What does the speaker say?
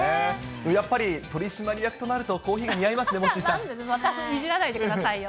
やっぱり取締役となると、コーヒなんで、またいじらないでくださいよ。